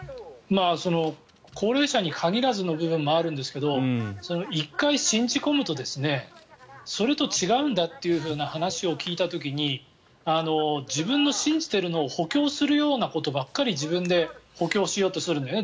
高齢者に限らずの部分もあるんですけど１回信じ込むとそれと違うんだという話を話を聞いた時に自分の信じてるのを補強するようなことばっかり自分で補強しようとするんだよね。